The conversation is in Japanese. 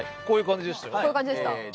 こういう感じでしたよ。